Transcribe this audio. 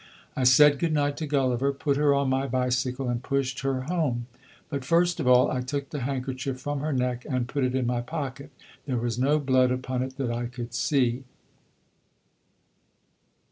I said good night to Gulliver, put her on my bicycle and pushed her home. But first of all I took the handkerchief from her neck and put it in my pocket. There was no blood upon it, that I could see."